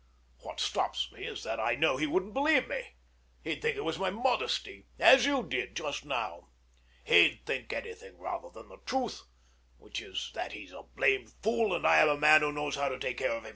What stops me is that I know he wouldn't believe me. He'd think it was my modesty, as you did just now. He'd think anything rather than the truth, which is that he's a blamed fool, and I am a man that knows how to take care of himself.